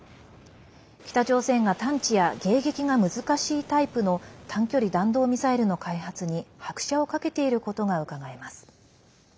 北朝鮮が探知や迎撃が難しいタイプの短距離弾道ミサイルの開発に拍車をかけていることがうかがえます。